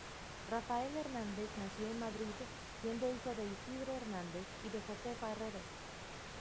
Rafael Hernández nació en Madrid, siendo hijo de Isidro Hernández y de Josefa Herrero.